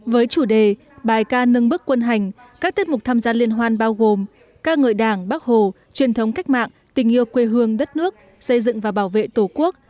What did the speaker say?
với chủ đề bài ca nâng bức quân hành các tiết mục tham gia liên hoan bao gồm ca ngợi đảng bác hồ truyền thống cách mạng tình yêu quê hương đất nước xây dựng và bảo vệ tổ quốc